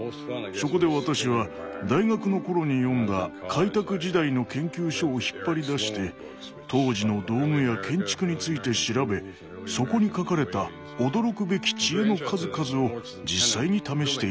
そこで私は大学の頃に読んだ開拓時代の研究書を引っ張り出して当時の道具や建築について調べそこに書かれた驚くべき知恵の数々を実際に試していったのです。